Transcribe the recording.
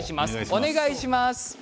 お願いします。